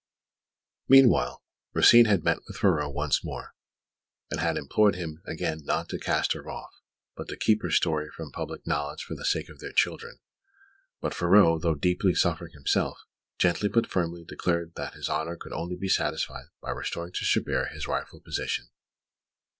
Meanwhile, Rosine had met with Ferraud once more, and had implored him again not to cast her off, but to keep her story from public knowledge for the sake of their children; but Ferraud, though deeply suffering himself, gently but firmly declared that his honour could only be satisfied by restoring to Chabert his rightful position.